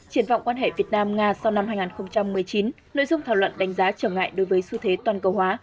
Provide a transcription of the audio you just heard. triển vọng quan hệ việt nam nga sau năm hai nghìn một mươi chín nội dung thảo luận đánh giá trở ngại đối với xu thế toàn cầu hóa